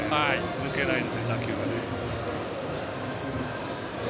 抜けないですよね、打球が。